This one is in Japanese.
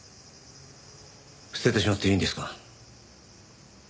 捨ててしまっていいんですか？